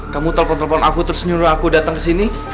kamu telepon telepon aku terus nyuruh aku datang ke sini